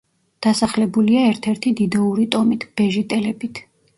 დასახლებულია ერთ-ერთი დიდოური ტომით, ბეჟიტელებით.